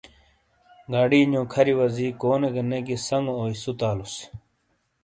گاڑی نِیوکھَری وَزی کونے گہ نے گِیئے سَنگو اوئی سُتالوس وا۔